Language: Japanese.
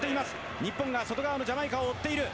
日本が外側のジャマイカを追っている。